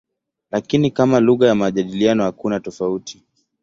Lakini kama lugha ya majadiliano hakuna tofauti.